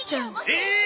えっ！！